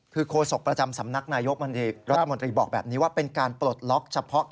คือโฆษกรประจำสำนักหน้ายกแม้ว่าเป็นการปลดล๊อก